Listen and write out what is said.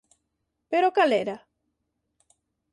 Pero cal era?